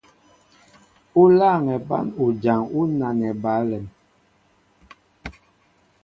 U lâŋɛ bán ujaŋ ú nanɛ ba alɛm.